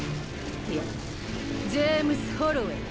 いやジェームス・ホロウェイ。